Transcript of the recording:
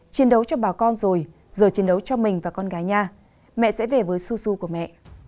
chuyên đấu cho bà con rồi giờ chuyên đấu cho mình và con gái nha mẹ sẽ về với su su của mẹ